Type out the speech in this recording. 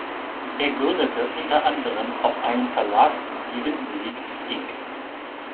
Er gründete unter anderem auch einen Verlag, die Wind Music, Inc.